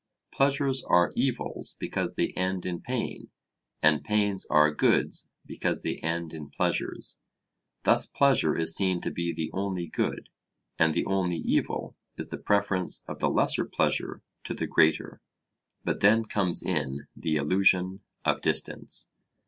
Pleasures are evils because they end in pain, and pains are goods because they end in pleasures. Thus pleasure is seen to be the only good; and the only evil is the preference of the lesser pleasure to the greater. But then comes in the illusion of distance.